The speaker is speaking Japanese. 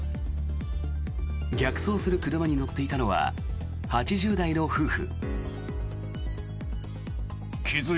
逆走する車に乗っていたのは８０代の夫婦。